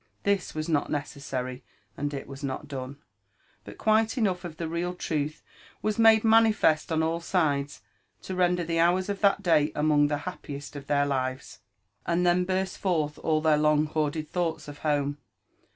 This was not necessary, and it was not done. But quite enough of the real truth was made manifest oa all ■ides to render the hours of thai day among the happiest of their lives. And then burst forth all their long hoarded thoughts of home.